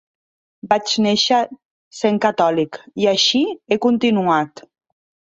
Vaig néixer sent catòlic i així he continuat.